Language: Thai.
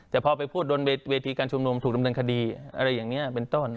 แต่พอไปพูดบนเวทีการชุมนุมถูกดำเนินคดีอะไรอย่างนี้เป็นต้น